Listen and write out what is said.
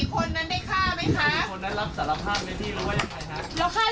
๔คนนั้นได้ฆ่าไหมคะ